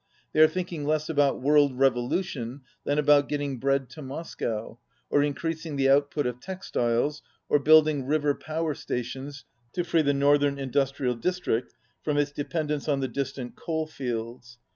They are thinking less about world revolution than about getting bread to Moscow, or increasing the output of textiles, or building river power stations to free the northern industrial district from its dependence on the distant coal fields.